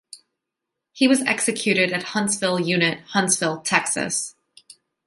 He was executed at Huntsville Unit, Huntsville, Texas.